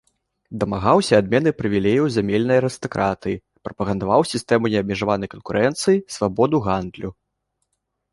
Дамагаўся адмены прывілеяў зямельнай арыстакратыі, прапагандаваў сістэму неабмежаванай канкурэнцыі, свабоду гандлю.